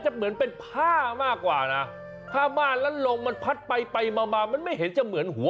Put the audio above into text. ไหน